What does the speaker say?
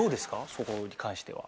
そこに関しては。